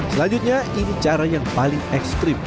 selanjutnya ini cara yang paling ekstrim